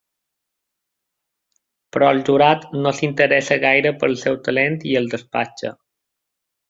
Però el jurat no s'interessa gaire pel seu talent i el despatxa.